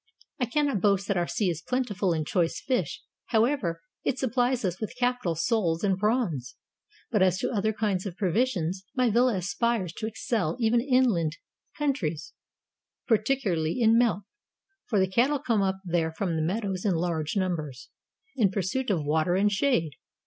I cannot boast that our sea is plentiful in choice fish ; however, it supplies us with capital soles and prawns; but as to other kinds of provisions, my villa aspires to excel even inland countries, particularly in milk, for the cattle come up there from the meadows in large numbers, in pursuit of water and shade.